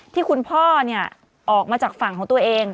ที่คุณพ่อออกมาจากฝั่งของตัวเอง